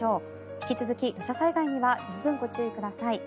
引き続き土砂災害には十分ご注意ください。